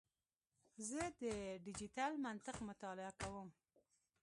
زه د ډیجیټل منطق مطالعه کوم.